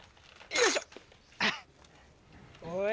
よいしょ。